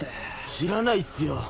知らないっすよ。